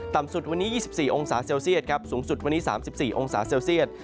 สุดวันนี้๒๔องศาเซลเซียตครับสูงสุดวันนี้๓๔องศาเซลเซียต